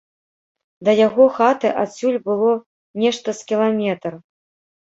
Да яго хаты адсюль было нешта з кіламетр.